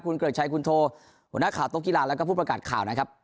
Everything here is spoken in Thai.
คุณเกริกชัยคุณโทหัวหน้าข่าวโต๊ะกีฬาแล้วก็ผู้ประกาศข่าวนะครับ